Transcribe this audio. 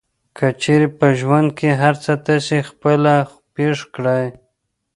که چېرې په ژوند کې هر څه تاسې خپله پېښ کړئ.